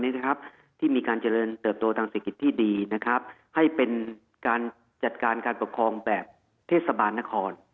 ที่มีการเจริญเติบโตทางเศรษฐกิจที่ดีนะครับให้เป็นการจัดการการปกครองแบบเทศบาลนคร